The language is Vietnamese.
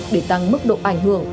để tăng mức độ ảnh hưởng